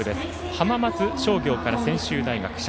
浜松商業から専修大学。